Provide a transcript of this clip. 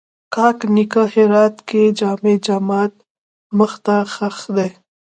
کاک نیکه هرات کښې جامع ماجت مخ ته ښخ دی